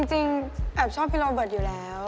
แอบชอบพี่โรเบิร์ตอยู่แล้ว